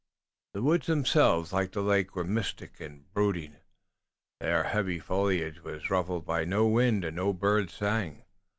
The woods themselves, like the lake, were mystic and brooding. Their heavy foliage was ruffled by no wind, and no birds sang.